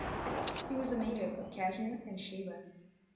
He was a native of Kashmir and a Shaiva.